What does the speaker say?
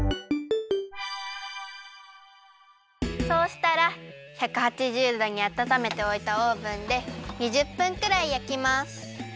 そうしたら１８０どにあたためておいたオーブンで２０分くらいやきます。